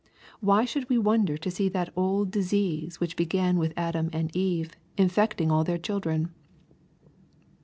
Why should we wonder to see that old disease which began with Adam and Eve infecting all their chiidren